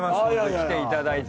来ていただいて。